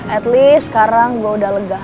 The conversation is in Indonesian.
at least sekarang gue udah lega